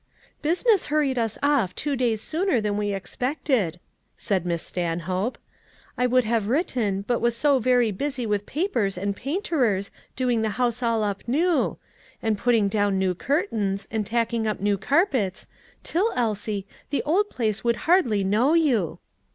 "Business hurried us off two days sooner than we expected," said Miss Stanhope. "I would have written, but was so very busy with papers and painterers doing the house all up new; and putting down new curtains, and tacking up new carpets, till, Elsie, the old place would hardly know you."